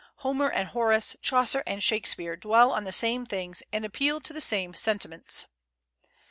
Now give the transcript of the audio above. Homer and Horace, Chaucer and Shakespeare, dwell on the same things, and appeal to the same sentiments.